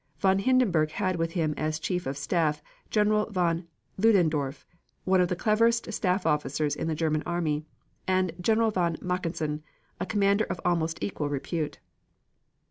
Von Hindenburg had with him as Chief of Staff General von Ludendorff, one of the cleverest staff officers in the German army, and General von Mackensen, a commander of almost equal repute.